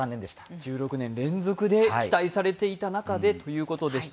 １６年連続で期待されていた中でということでした。